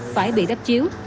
phải bị đắp chiếu